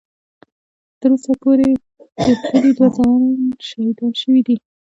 ـ تر اوسه پورې د کلي دوه ځوانان شهیدان شوي دي.